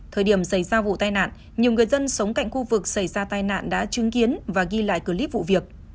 thời điểm xảy ra vụ tai nạn nhiều người dân sống cạnh khu vực xảy ra tai nạn đã chứng kiến và ghi lại clip vụ việc